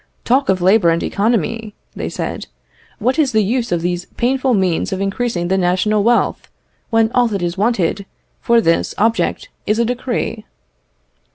"Talk of labour and economy," they said, "what is the use of these painful means of increasing the national wealth, when all that is wanted for this object is a decree?"